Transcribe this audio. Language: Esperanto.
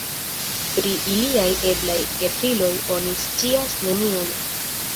Pri iliaj eblaj gefiloj oni scias nenion.